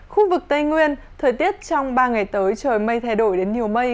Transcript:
khu vực tây nguyên thời tiết trong ba ngày tới trời mây thay đổi đến nhiều mây